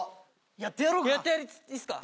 やってやろうか？